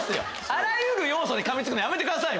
あらゆる要素にかみつくのやめてください！